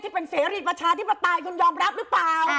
ที่เป็นเสรีภาชาที่ประตายคุณยอมรับหรือเปล่า